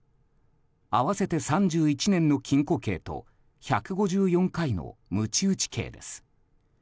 合わせて３１年の禁固刑と１５４回のむち打ち刑です。